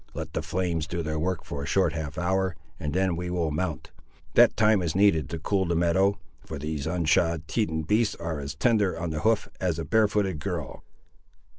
Let the flames do their work for a short half hour, and then we will mount. That time is needed to cool the meadow, for these unshod Teton beasts are as tender on the hoof as a barefooted girl."